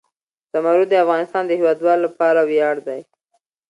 زمرد د افغانستان د هیوادوالو لپاره ویاړ دی.